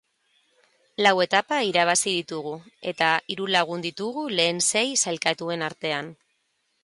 Lau etapa irabazi ditugu eta hiru lagun ditugu lehen sei sailkatuen artean.